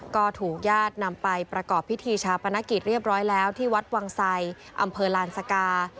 ก็ถูกญาตินำไปประกอบพิธีชาปนกิจเรียบร้อยแล้วที่วัดวังไสอำเภอลานสกา